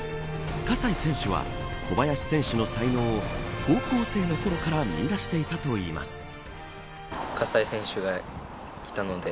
葛西選手は、小林選手の才能を高校生のころから見いだしていたといいます。